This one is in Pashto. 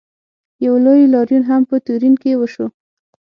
یو لوی لاریون هم په تورین کې وشو.